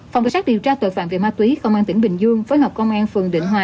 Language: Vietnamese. phòng cảnh sát điều tra tội phạm về ma túy công an tỉnh bình dương phối hợp công an phường định hòa